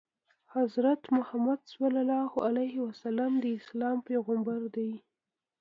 حضرت محمد ﷺ د اسلام پیغمبر دی.